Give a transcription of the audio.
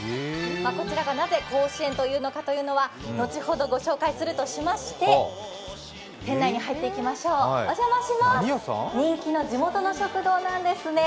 こちらがなぜ甲子園というのかは後ほどご紹介するとしまして店内に入っていきましょう、お邪魔します、人気の地元の食堂なんですね。